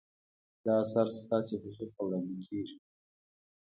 دا اثر ستاسو حضور ته وړاندې کیږي.